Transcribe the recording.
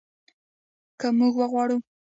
که موږ وغواړو.